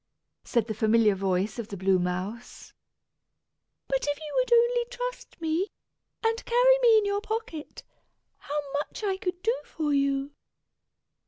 said the familiar voice of the Blue Mouse. "But if you would only trust me, and carry me in your pocket, how much I could do for you!"